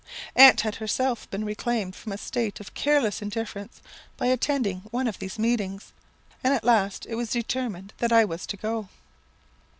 Aunt had herself been reclaimed from a state of careless indifference by attending one of these meetings, and at last it was determined that I was to go.